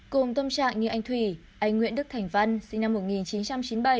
cùng tâm trạng như anh thủy anh nguyễn đức thành văn sinh năm một nghìn chín trăm chín mươi bảy